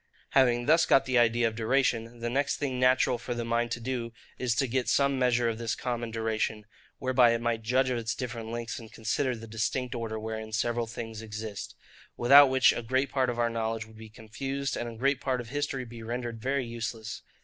Having thus got the idea of duration, the next thing natural for the mind to do, is to get some measure of this common duration, whereby it might judge of its different lengths, and consider the distinct order wherein several things exist; without which a great part of our knowledge would be confused, and a great part of history be rendered very useless.